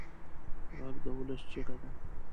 غږ د ولس چیغه ده